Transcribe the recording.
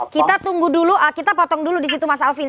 kita tunggu dulu kita potong dulu di situ mas alvin